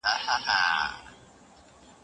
کله چې ماشوم واورېدل شي، د فکر وړتیا یې لوړېږي.